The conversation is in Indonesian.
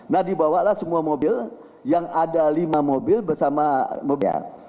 nah dibawalah semua mobil yang ada lima mobil bersama mobil